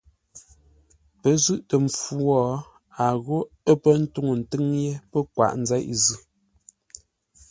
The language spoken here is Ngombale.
Pə́ zʉ̂ʼtə mpfu wo, a ghô: ə̰ pə́ ntúŋu ntʉ́ŋ yé pə́ kwaʼ nzeʼ zʉ́.